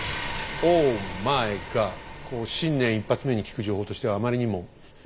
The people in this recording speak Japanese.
こう新年一発目に聞く情報としてはあまりにも。